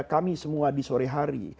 kami semua di sore hari